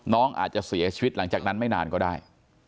น้องอาจจะเสียชีวิตหลังจากนั้นไม่นานก็ได้